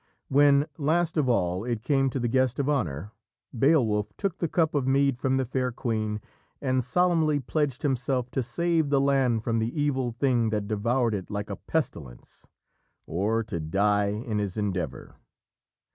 When, last of it all, it came to the guest of honour, Beowulf took the cup of mead from the fair queen and solemnly pledged himself to save the land from the evil thing that devoured it like a pestilence, or to die in his endeavour.